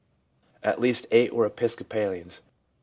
At least 8 were Episcopalians.